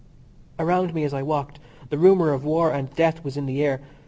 Around me as I walked the rumour of war and death was in the air.